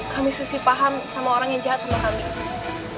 kami sisih paham sama orang yang jahat sama kami